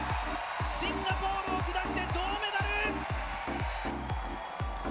シンガポールを下して銅メダル！